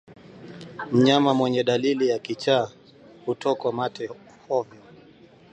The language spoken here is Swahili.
Mnyama mwenye dalili za kichaa hutokwa mate hovyo